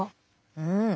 うん。